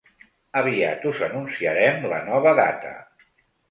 Aviat us anunciarem la nova data.